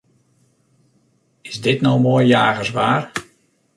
Is dit no moai jagerswaar?